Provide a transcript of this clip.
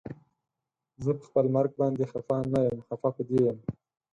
زه پخپل مرګ باندې خفه نه یم خفه په دې یم